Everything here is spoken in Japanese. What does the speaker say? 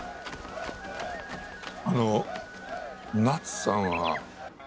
あの奈津さんは。